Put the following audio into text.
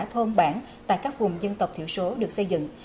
thôn bảng và các vùng dân tộc thiểu số được xây dựng